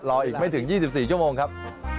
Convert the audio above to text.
รออีกไม่ถึง๒๔ชั่วโมงครับ